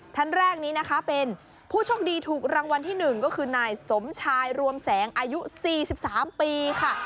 ท่านแรกนี้นะคะเป็นผู้โชคดีถูกรางวัลที่๑ก็คือนายสมชายรวมแสงอายุ๔๓ปีค่ะ